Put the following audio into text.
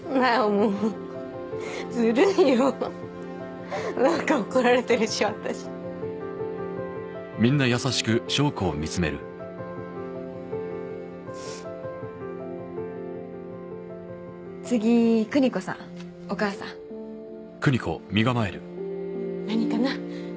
もうずるいよなんか怒られてるし私次邦子さんお母さん何かな？